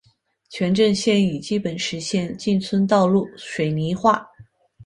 全镇现已基本实现进村道路水泥化。